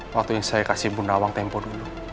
waktu yang saya kasih bunawang tempur dulu